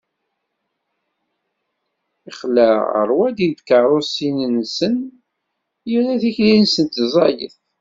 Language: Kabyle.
Iclex ṛṛwaḍi n ikeṛṛusen-nsen, irra tikli-nsen ẓẓayet.